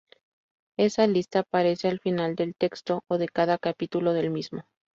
Esa lista aparece al final del texto o de cada capítulo del mismo.